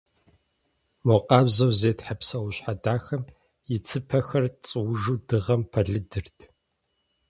Мо къабзэу зетхьэ псэущхьэ дахэм и цыпэхэр цӀуужу дыгъэм пэлыдырт.